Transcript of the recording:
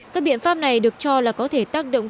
các biện pháp này được cho là có thể tác động